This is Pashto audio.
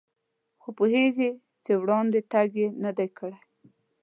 خو پوهېږي چې وړاندې تګ یې نه دی کړی.